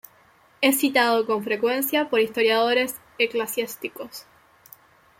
Es citado con frecuencia por historiadores eclesiásticos.